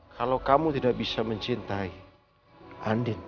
kalau kamu tidak bisa mencintai andin